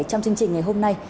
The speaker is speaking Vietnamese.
trong chương trình ngày hôm nay